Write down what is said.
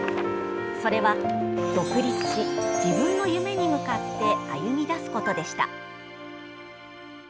それは、独立し自分の夢に向かって歩み出すことでした。